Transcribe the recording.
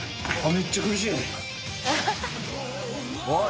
めっちゃ苦しい！加藤）